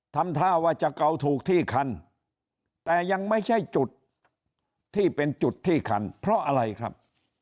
ทำท่าว่าจะเกาถูกที่คันแต่ยังไม่ใช่จุดที่เป็นจุดที่คันเพราะอะไรครับ